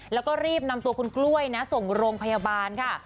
แล้วก็รีบนำตัวคุณกล้วยนะส่งโรงพยาบาลค่ะ